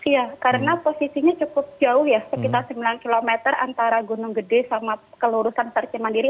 iya karena posisinya cukup jauh ya sekitar sembilan km antara gunung gede sama kelurusan sarce mandiri